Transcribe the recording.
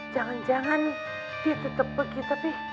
jangan jangan dia tetap pergi tapi